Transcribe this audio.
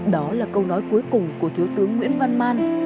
đó là câu nói cuối cùng của thiếu tướng nguyễn văn man